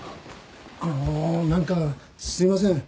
あのなんかすいません